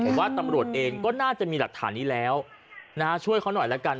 ผมว่าตำรวจเองก็น่าจะมีหลักฐานนี้แล้วนะฮะช่วยเขาหน่อยละกัน